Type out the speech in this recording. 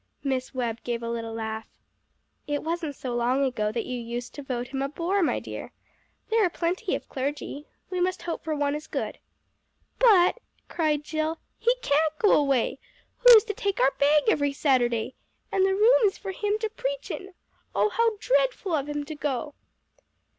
Miss Webb gave a little laugh. "It wasn't so long ago that you used to vote him a bore, my dear. There are plenty of clergy. We must hope for one as good." "But," cried Jill, "he can't go away. Who is to take our bag every Saturday? And the room is for him to preach in. Oh, how dreadful of him to go!"